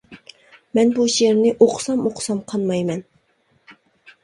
مەن بۇ شېئىرنى ئوقۇسام ئوقۇسام قانمايمەن!